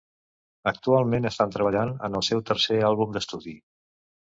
Actualment estan treballant en el seu tercer àlbum d'estudi.